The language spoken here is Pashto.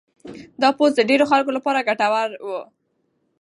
دا پوسټ د ډېرو خلکو لپاره ګټور و.